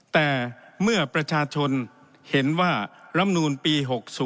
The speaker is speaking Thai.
แต่เมื่อประชาชนเห็นว่าลำนูลปี๖๐